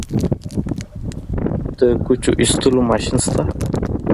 د کوچو ایستلو ماشین شته؟